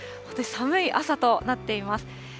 本当に寒い朝となっています。